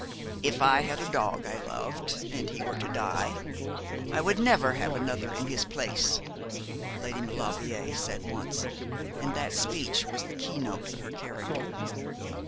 'If I had a dog I loved, and he were to die, I would never have another in his place,' Lady Maulevrier said once; and that speech was the keynote of her character.